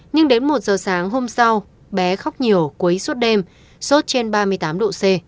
nhưng đến một giờ sáng hôm sau bé khóc nhiều quấy suốt đêm sốt trên ba mươi tám độ c